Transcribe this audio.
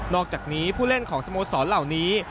อกจากนี้ผู้เล่นของสโมสรเหล่านี้